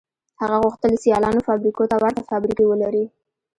هغه غوښتل د سیالانو فابریکو ته ورته فابریکې ولري